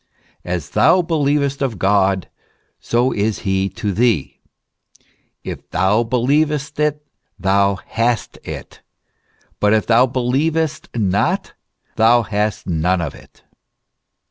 As thou believest of God, so is He to thee." " If thou believest it, thou hast it ; but if thou believest not, thou hast none of it."